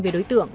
về đối tượng